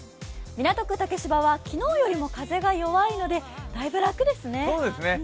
港区竹芝は昨日よりも風が弱いのでだいぶ楽ですね。